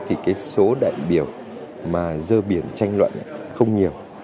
thì cái số đại biểu mà dơ biển tranh luận không nhiều